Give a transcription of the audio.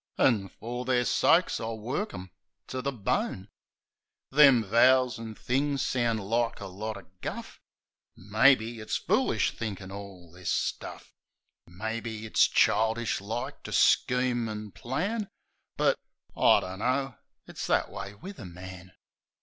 An' fer their sakes I'll work 'em to the bone." Them vows an' things sounds like a lot o' guff. Maybe, it's foolish thinkin' all this stuff — Maybe, it's childish like to scheme an' plan; But — I dunno — it's that way wiv a man.